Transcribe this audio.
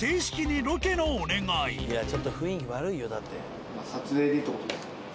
いやちょっと雰囲気悪いよだって。